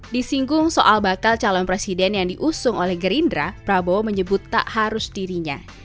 disinggung soal bakal calon presiden yang diusung oleh gerindra prabowo menyebut tak harus dirinya